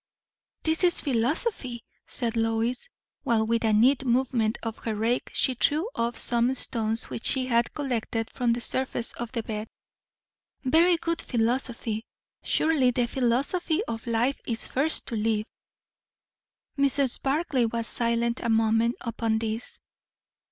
"This is philosophy," said Lois, while with a neat movement of her rake she threw off some stones which she had collected from the surface of the bed. "Very good philosophy. Surely the philosophy of life is first to live." Mrs. Barclay was silent a moment upon this.